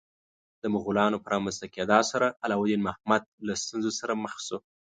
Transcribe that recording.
د مغولانو په رامنځته کېدا سره علاوالدین محمد له ستونزو سره مخ شو.